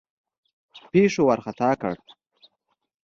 پیښو وارخطا کړ.